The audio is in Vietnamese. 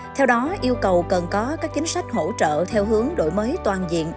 theo đó yêu cầu cần có các chính sách hỗ trợ theo hướng đổi mới toàn diện